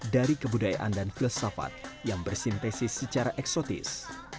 dari kebudayaan dan filsafat yang bersintesis secara eksotis